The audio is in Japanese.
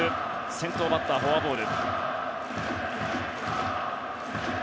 先頭バッターはフォアボール。